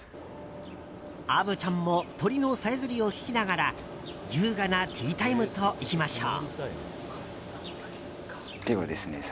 虻ちゃんも鳥のさえずりを聞きながら優雅なティータイムといきましょう。